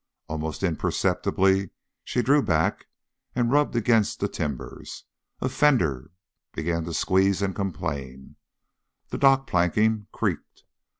Almost imperceptibly she drew back and rubbed against the timbers. A fender began to squeeze and complain. The dock planking creaked.